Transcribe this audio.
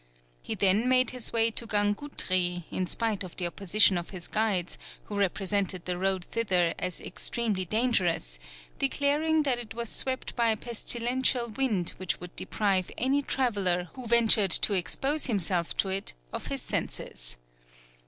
He then made his way to Gangoutri, in spite of the opposition of his guides, who represented the road thither as extremely dangerous, declaring that it was swept by a pestilential wind which would deprive any traveller, who ventured to expose himself to it, of his senses.